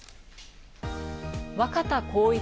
若田光一